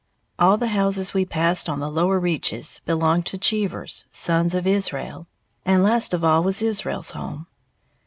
All the houses we passed on the lower reaches belonged to Cheevers, sons of Israel, and last of all was Israel's home.